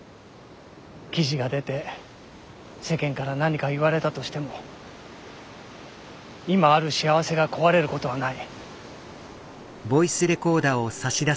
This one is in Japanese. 記事が出て世間から何か言われたとしても今ある幸せが壊れることはない。